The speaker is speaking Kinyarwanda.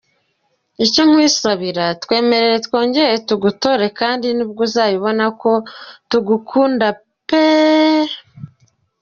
Icyo nkwisabira twemerere twongere tugutore kandi nibwo uzabibona ko tugukunda pe!!!!!!!!!!!!!!!!!!!!!!!!!!.